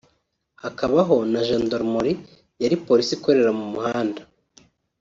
hakabaho na Gendarmerie yari Polisi ikorera mu muhanda